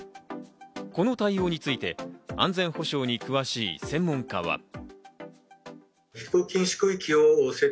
この対応について安全保障に詳しい専門家は。